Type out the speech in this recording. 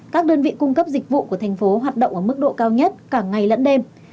các đơn vị cung cấp dịch vụ của thành phố hoạt động ở mức độ cao nhất cả ngày lẫn đêm